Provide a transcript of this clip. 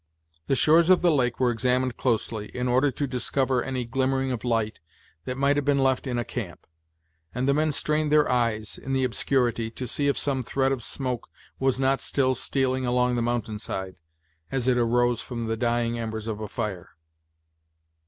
The shores of the lake were examined closely, in order to discover any glimmering of light that might have been left in a camp; and the men strained their eyes, in the obscurity, to see if some thread of smoke was not still stealing along the mountainside, as it arose from the dying embers of a fire.